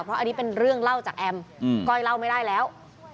เพราะอันนี้เป็นเรื่องเล่าจากแอมก้อยเล่าไม่ได้แล้ว